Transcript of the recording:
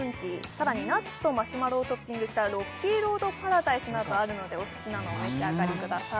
さらにナッツとマシュマロをトッピングしたロッキーロードパラダイスなどあるのでお好きなのをお召し上がりください